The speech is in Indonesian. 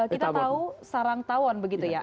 kita tahu sarang tawon begitu ya